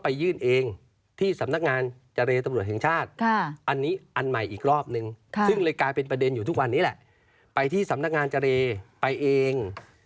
ไปที่สำนักงานเจรภาร์ไปเอง